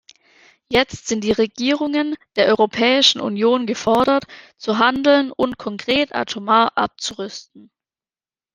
Jetzt sind die Regierungen der Europäischen Union gefordert, zu handeln und konkret atomar abzurüsten.